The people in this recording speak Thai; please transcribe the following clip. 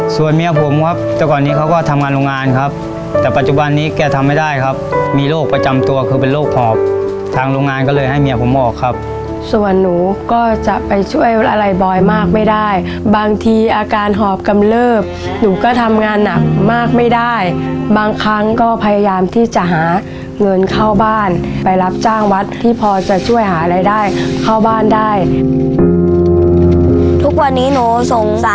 ส่วนเมียผมครับแต่ก่อนนี้เขาก็ทำงานโรงงานครับแต่ปัจจุบันนี้แกทำไม่ได้ครับมีโรคประจำตัวคือเป็นโรคหอบทางโรงงานก็เลยให้เมียผมออกครับส่วนหนูก็จะไปช่วยอะไรบอยมากไม่ได้บางทีอาการหอบกำเลิบหนูก็ทำงานหนักมากไม่ได้บางครั้งก็พยายามที่จะหาเงินเข้าบ้านไปรับจ้างวัดที่พอจะช่วยหารายได้เข้าบ้านได้ทุกวันนี้หนูส่งส